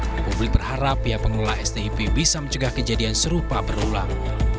republik berharap pihak pengelola stip bisa mencegah kejadian serupa berulang